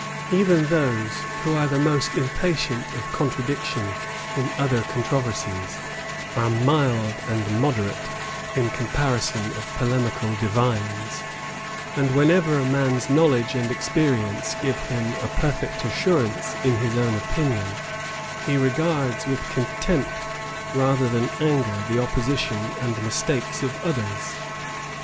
Even those who are the most impatient of contradiction in other controversies, are mild and moderate in comparison of polemical divines; and wherever a man's knowledge and experience give him a perfect assurance in his own opinion, he regards with contempt, rather than anger, the opposition and mistakes of others.